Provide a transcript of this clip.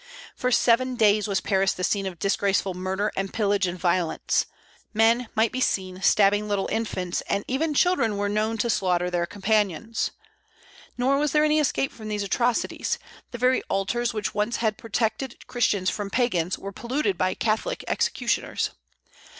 For seven days was Paris the scene of disgraceful murder and pillage and violence. Men might be seen stabbing little infants, and even children were known to slaughter their companions. Nor was there any escape from these atrocities; the very altars which had once protected Christians from pagans were polluted by Catholic executioners.